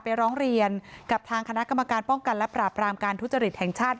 ร้องเรียนกับทางคณะกรรมการป้องกันและปราบรามการทุจริตแห่งชาติ